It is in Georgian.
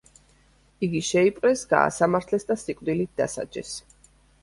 იგი შეიპყრეს, გაასამართლეს და სიკვდილით დასაჯეს.